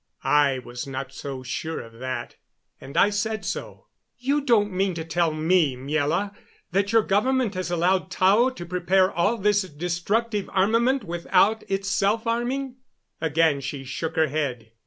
I was not so sure of that, and I said so. "You don't mean to tell me, Miela, that your government has allowed Tao to prepare all this destructive armament without itself arming?" Again she shook her head.